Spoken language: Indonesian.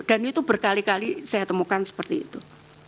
dan itu berkali kali saya temukan seperti itu